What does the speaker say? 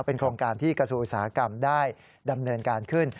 เป็นโครงการที่กระทรวงอุตสาหกรรมได้ดำเนินการขึ้น